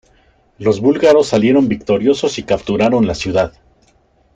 Los búlgaros salieron victoriosos y capturaron la ciudad.